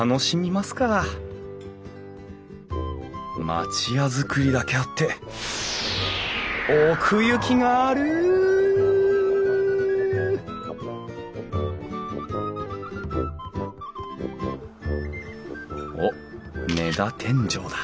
町屋造りだけあって奥行きがあるおっ根太天井だ。